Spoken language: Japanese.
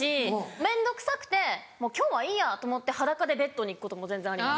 面倒くさくてもう今日はいいやと思って裸でベッドに行くことも全然あります。